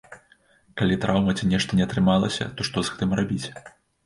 Калі траўма ці нешта не атрымалася, то што з гэтым рабіць?